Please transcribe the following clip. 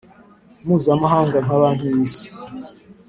mpuzamahanga nka Banki y Isi